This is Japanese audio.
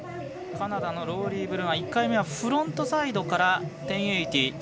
カナダのローリー・ブルーアン、１回目はフロントサイドから１０８０。